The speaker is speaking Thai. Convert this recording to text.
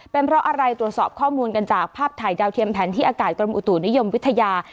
เป็นเพราะอะไรตรวจสอบข้อมูลกันจากภาพถ่ายดาวเทียมแผนที่อากาศกรมอุตุนิยมวิทยา